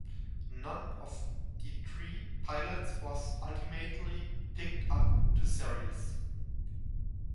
None of the three pilots was ultimately picked up to series.